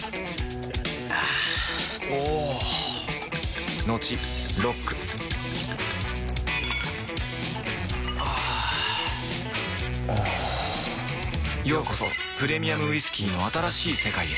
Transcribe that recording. あぁおぉトクトクあぁおぉようこそプレミアムウイスキーの新しい世界へ